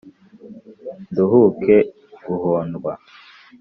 nduhuke guhondwa;